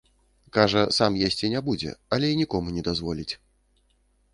Кажа, сам есці не будзе, але і нікому не дазволіць.